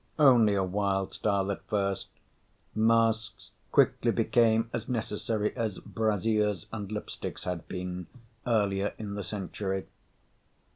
Only a wild style at first, masks quickly became as necessary as brassieres and lipsticks had been earlier in the century.